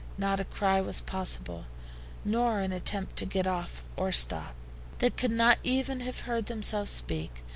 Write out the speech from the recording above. Not a cry was possible, nor an attempt to get off or stop. They could not even have heard themselves speak.